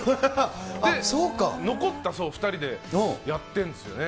で、残った２人でやってるんですよね。